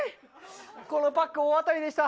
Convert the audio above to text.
このパック、大当たりでした。